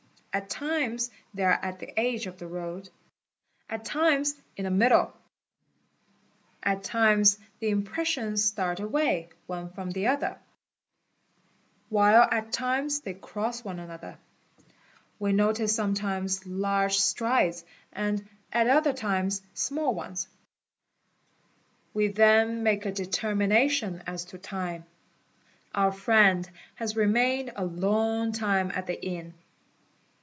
At times they are at the edge of the road, at times in the middle, at times the impres sions start away, one from the other, while at times they cross one nother ; we notice sometimes large strides and at other times small ones. We then make a determination as to time; our friend has remained a 0 g tume at the inn.